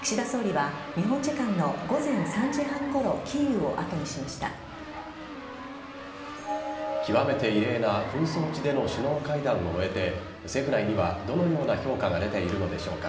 岸田総理は日本時間の午前３時半ごろ極めて異例な紛争地での首脳会談を終えて政府内にはどのような評価が出ているのでしょうか。